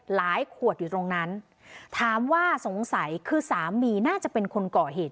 ขวดอยู่ตรงนั้นถามว่าสงสัยคือสามีน่าจะเป็นคนก่อเหตุ